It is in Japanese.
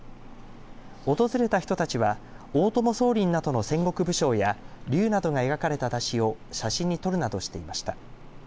訪れた人たちは大友宗麟などの戦国武将や竜などが描かれた山車を写真に撮るなどしていました。